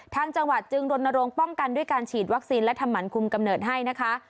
ทางจังหวัดจึงรณรงค์ป้องกันด้วยการฉีดวัคซีนและทำหมันคุมกำเนิดให้นะคะ